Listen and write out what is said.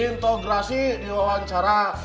intogorasi di wawancara